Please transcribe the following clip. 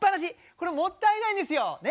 これもったいないですよね。